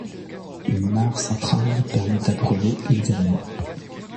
Une mare centrale permet d'abreuver les animaux.